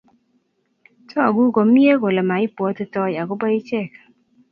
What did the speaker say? Togu komye kole maibwotitoi akobo ichek